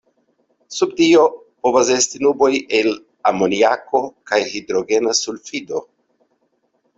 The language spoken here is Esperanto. Sub tio, povas esti nuboj el amoniako kaj hidrogena sulfido.